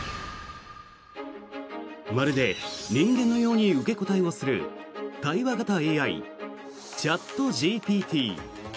まるで人間のように受け答えをする対話型ＡＩ、チャットＧＰＴ。